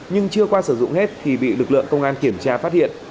nhưng chưa qua sử dụng hết thì bị lực lượng công an kiểm tra phát hiện